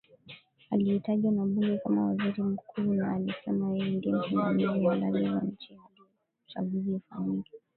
aliyetajwa na bunge kama waziri mkuu na anasema yeye ndie msimamizi halali wa nchi hadi uchaguzi ufanyike